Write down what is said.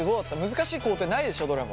難しい工程ないでしょどれも。